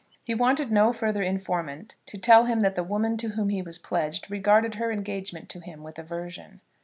He wanted no further informant to tell him that the woman to whom he was pledged regarded her engagement to him with aversion.